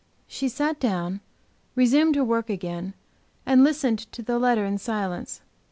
She sat down, resumed her work again, and listened to the letter in silence.